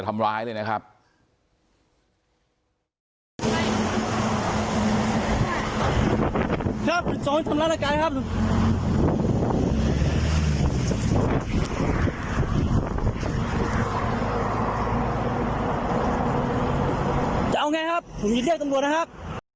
จะเอาไงครับผมจะเรียกจังหวัดนะครับ